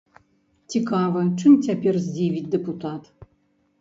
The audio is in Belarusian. Цікава, чым цяпер здзівіць дэпутат?